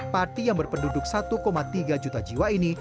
pati yang berpenduduk satu tiga juta jiwa ini